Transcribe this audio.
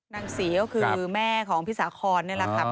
นางศรีก็คือแม่ของพี่สาคอนนี่แหละครับ